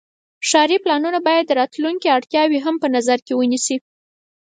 ښاري پلانونه باید د راتلونکي اړتیاوې هم په نظر کې ونیسي.